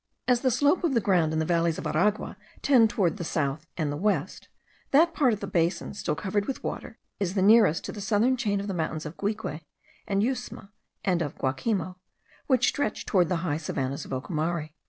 As the slope of the ground in the valleys of Aragua tends towards the south and the west, that part of the basin still covered with water is the nearest to the southern chain of the mountains of Guigue, of Yusma, and of Guacimo, which stretch towards the high savannahs of Ocumare.